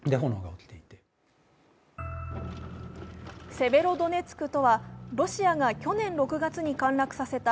セベロドネツクとは、ロシアが去年６月に陥落させた